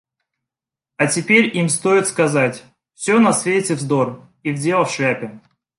А теперь им стоит сказать: все на свете вздор! - и дело в шляпе.